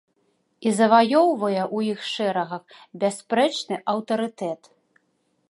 І заваёўвае ў іх шэрагах бясспрэчны аўтарытэт.